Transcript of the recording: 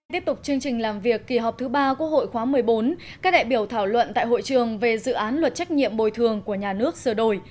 tiếp tục chương trình làm việc kỳ họp thứ ba quốc hội khóa một mươi bốn các đại biểu thảo luận tại hội trường về dự án luật trách nhiệm bồi thường của nhà nước sửa đổi